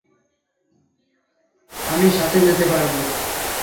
আমি সাথে যেতে পারবো।